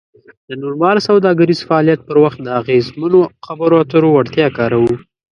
د نورمال سوداګریز فعالیت پر وخت د اغیزمنو خبرو اترو وړتیا کاروو.